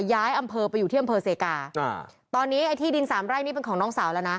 ย้ายอำเภอไปอยู่ที่อำเภอเซกาตอนนี้ไอ้ที่ดินสามไร่นี่เป็นของน้องสาวแล้วนะ